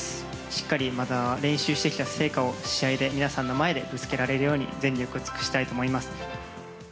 しっかりまた練習してきた成果を試合で、皆さんの前でぶつけられるように全力を尽くしたいと思います。